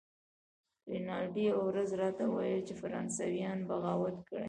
رینالډي یوه ورځ راته وویل چې فرانسویانو بغاوت کړی.